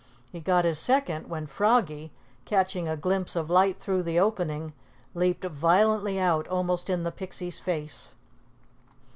He got his second when Froggy, catching a glimpse of light through the opening, leaped violently out, almost in the Pixie's face.